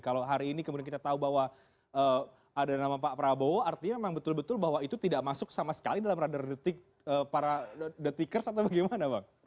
kalau hari ini kemudian kita tahu bahwa ada nama pak prabowo artinya memang betul betul bahwa itu tidak masuk sama sekali dalam radar detik para detikers atau bagaimana bang